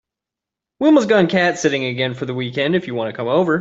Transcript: Wilma’s gone cat sitting again for the weekend if you want to come over.